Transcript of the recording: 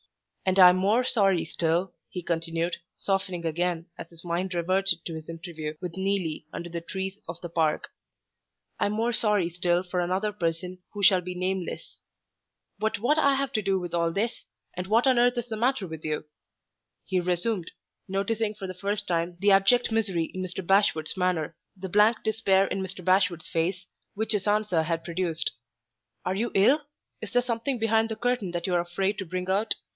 And I'm more sorry still," he continued, softening again as his mind reverted to his interview with Neelie under the trees of the park "I'm more sorry still for another person who shall be nameless. But what have I to do with all this? And what on earth is the matter with you?" he resumed, noticing for the first time the abject misery in Mr. Bashwood's manner, the blank despair in Mr. Bashwood's face, which his answer had produced. "Are you ill? Is there something behind the curtain that you're afraid to bring out?